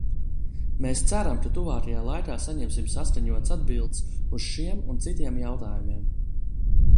Mēs ceram, ka tuvākajā laikā saņemsim saskaņotas atbildes uz šiem un citiem jautājumiem.